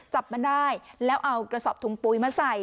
จับมันได้แล้วเอากระสอบถุงปุ๋ยมาใส่